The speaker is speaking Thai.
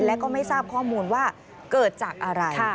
และก็ไม่ทราบข้อมูลว่าเกิดจากอะไร